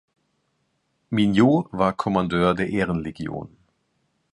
Mignot war Kommandeur der Ehrenlegion.